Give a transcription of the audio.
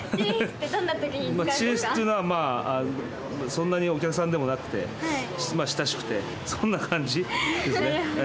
っつうのはそんなにお客さんでもなくてまあ親しくてそんな感じですね。